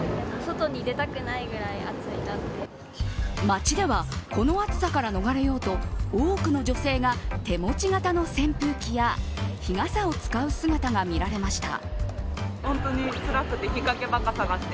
街ではこの暑さから逃れようと多くの女性が手持ち型の扇風機や日傘を使う姿が見られました。